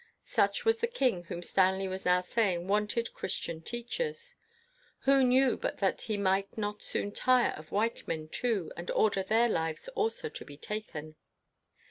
Such was the king whom Stanley was now saying wanted Christian teachers. Who knew but that he might not soon tire of white men too, and order their lives also to be taken?